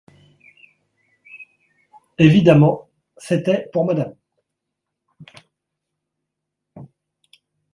Évidemment, c’était pour madame.